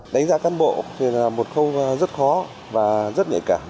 đánh giá cán bộ thì là một khâu rất khó và rất nhạy cảm